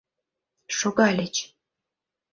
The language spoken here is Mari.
Шогальыч.